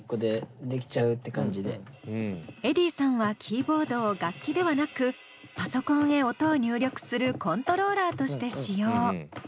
ｅｄｈｉｉｉさんはキーボードを楽器ではなくパソコンへ音を入力するコントローラーとして使用。